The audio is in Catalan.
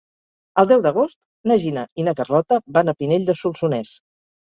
El deu d'agost na Gina i na Carlota van a Pinell de Solsonès.